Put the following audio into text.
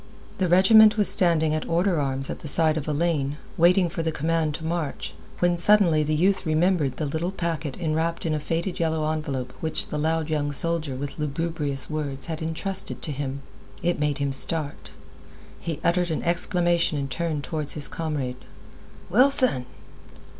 The regiment was standing at order arms at the side of a lane, waiting for the command to march, when suddenly the youth remembered the little packet enwrapped in a faded yellow envelope which the loud young soldier with lugubrious words had intrusted to him. It made him start. He uttered an exclamation and turned toward his comrade. "Wilson!"